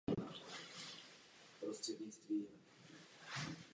Absolvoval státní kurz pro účetní.